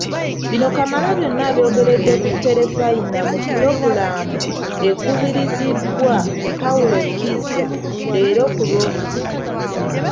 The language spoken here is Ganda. Bino Kamalabyonna abyogeredde ku Terefayina mu pulogulaamu ekubirizibwa Paul Kizza leero ku Lwokubiri.